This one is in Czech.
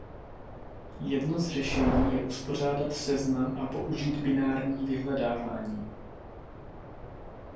Jedno z řešení je uspořádat seznam a použít binární vyhledávání.